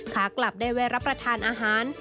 ขากลับได้แวะรับประทานอาหาร